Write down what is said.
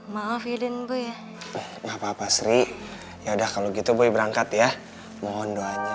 maafin gue ya apa apa sri yaudah kalau gitu gue berangkat ya mohon doanya